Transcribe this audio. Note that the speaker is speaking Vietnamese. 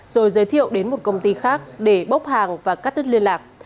rồi giới thiệu đến một công ty khác để bốc hàng và cắt đứt liên lạc